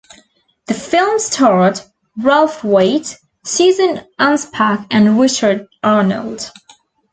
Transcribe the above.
The film starred Ralph Waite, Susan Anspach and Richard Arnold.